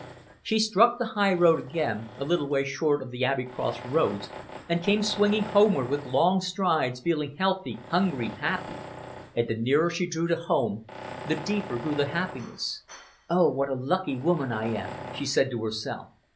She struck the highroad again a little way short of the Abbey Cross Roads, and came swinging homeward with long strides, feeling healthy, hungry, happy. And the nearer she drew to home, the deeper grew the happiness. "Oh, what a lucky woman I am," she said to herself.